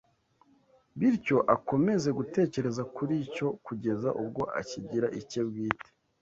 bityo akomeze gutekereza kuri cyo kugeza ubwo akigira icye bwite